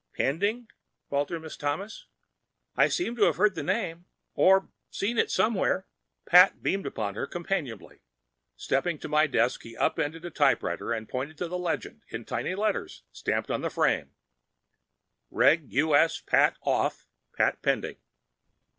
"Pending?" faltered Miss Thomas. "I seem to have heard the name. Or seen it somewhere—" Pat beamed upon her companionably. Stepping to my desk, he up ended the typewriter and pointed to a legend in tiny letters stamped into the frame: Reg. U.S. Pat. Off.—Pat. Pending.